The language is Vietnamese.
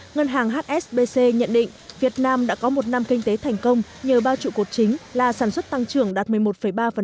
ngân hàng hsbc nhận định việt nam đã có một năm kinh tế thành công nhờ bao trụ cột chính là sản xuất tăng trưởng đạt một mươi một ba